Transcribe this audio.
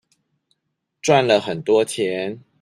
賺了很多錢